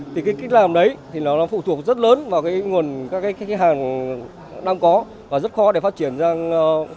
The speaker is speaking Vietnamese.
thì cái kích làm đấy thì nó phụ thuộc rất lớn vào các khách hàng đang có